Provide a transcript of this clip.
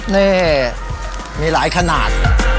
นี่มีหลายขนาด